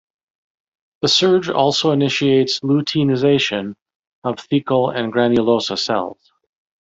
The surge also initiates luteinization of thecal and granulosa cells.